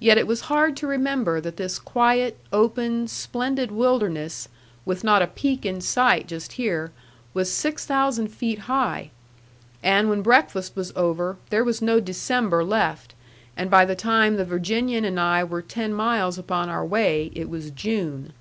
Yet it was hard to remember that this quiet, open, splendid wilderness (with not a peak in sight just here) was six thousand feet high. And when breakfast was over there was no December left; and by the time the Virginian and I were ten miles upon our way, it was June.